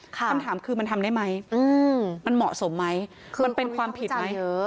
คำถามคือมันทำได้ไหมมันเหมาะสมไหมมันเป็นความผิดไหม